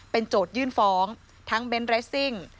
เป็นโจทยื่นฟ้องทั้งเบ้นเรสซิ่ง